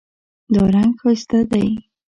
دا رنګ ښایسته دی